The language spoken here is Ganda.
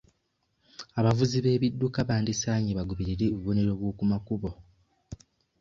Abavuzi b'ebidduka bandisaanye bagoberere obubonero bw'okumakubo.